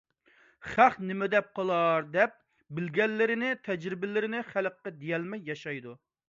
خەق نېمە دەپ قالار دەپ، بىلگەنلىرىنى، تەجرىبىلىرىنى خەلققە دېيەلمەي ياشايدۇ.